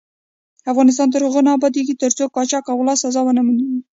افغانستان تر هغو نه ابادیږي، ترڅو قاچاق او غلا سزا ونه ويني.